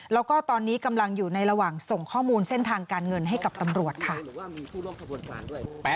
แล้วก็ตอนนี้กำลังอยู่ในระหว่างส่งข้อมูลเส้นทางการเงินให้กับตำรวจค่ะ